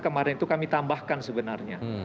kemarin itu kami tambahkan sebenarnya